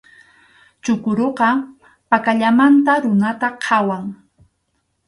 Chukuruqa pakallamanta runata qhawan.